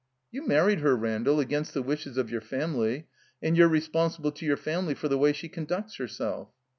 "You married her, Randall, against the wishes of yotu" family; and you're responsible to your family for the way she conducts herself."